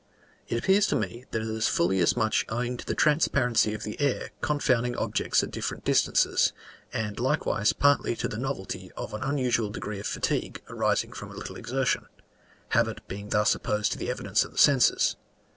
It appears to me, that it is fully as much owing to the transparency of the air confounding objects at different distances, and likewise partly to the novelty of an unusual degree of fatigue arising from a little exertion, habit being thus opposed to the evidence of the senses.